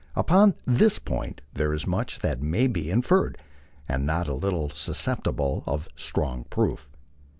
Upon this point there is much that may be inferred, and not a little susceptible of strong proof.